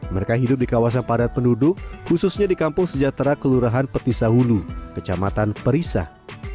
mereka hidup di kawasan padat penduduk khususnya di kampung sejahtera kelurahan petisah hulu kecamatan perisah